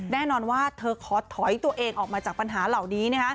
แน่นอนว่าเธอขอถอยตัวเองออกมาจากปัญหาเหล่านี้